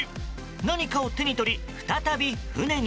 何かを手に取り再び船に。